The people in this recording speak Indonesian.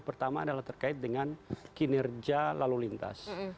pertama adalah terkait dengan kinerja lalu lintas